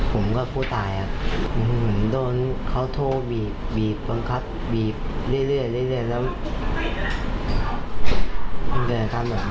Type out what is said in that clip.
ผมก็ผู้ตายอะอืมโดนเขาโทรบีบบีบบังคับบีบเรื่อยเรื่อยเรื่อยแล้ว